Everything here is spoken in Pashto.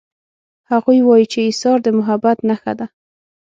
هغوی وایي چې ایثار د محبت نښه ده